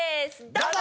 どうぞ！